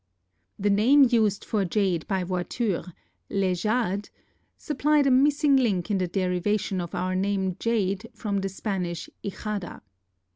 The name used for jade by Voiture, "l'éjade," supplied a missing link in the derivation of our name jade from the Spanish hijada.